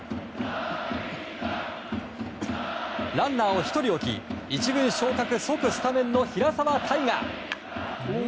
ランナーを１人置き１塁昇格即スタメンの平沢大河。